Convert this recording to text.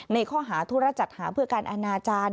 ในข้อหาธุรจัดหาเพื่อการอนาจารย์